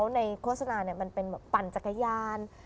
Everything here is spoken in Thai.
โฆษณามันเป็นแบบปั่นจักรยาน